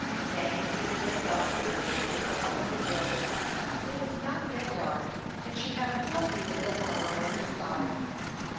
Fanny seated herself under the tree at the top of the hill. It was not yet dark, and she had a full view of the water on every side.